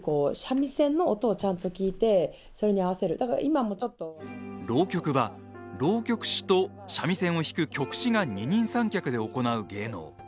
あの浪曲は浪曲師と三味線を弾く曲師が二人三脚で行う芸能。